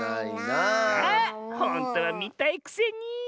あほんとはみたいくせに。